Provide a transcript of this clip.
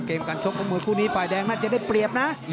เกมการชกของมวยคู่นี้ฝ่ายแดงน่าจะได้เปรียบนะ